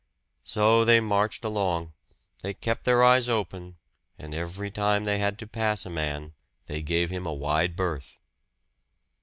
So they marched along; they kept their eyes open, and every time they had to pass a man they gave him a wide berth.